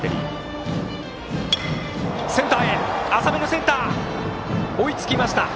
センター、追いつきました。